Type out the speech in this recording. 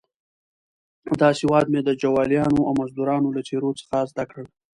دا سواد مې د جوالیانو او مزدروانو له څېرو څخه زده کړ.